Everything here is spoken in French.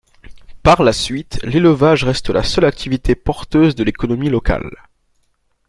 Par la suite, l'élevage reste la seule activité porteuse de l'économie locale.